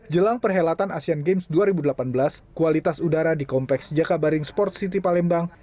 jelang perhelatan asean games dua ribu delapan belas kualitas udara di kompleks jakabaring sports city palembang